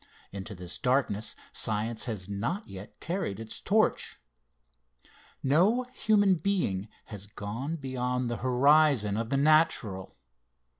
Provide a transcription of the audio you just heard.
Into this darkness Science has not yet carried its torch. No human being has gone beyond the horizon of the natural.